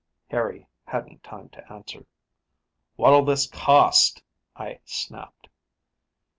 Harry hadn't time to answer. "What'll this cost?" I snapped.